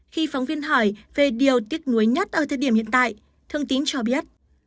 khi phóng viên hỏi về điều tiếc nuối nhất ở thời điểm hiện tại thương tính cho biết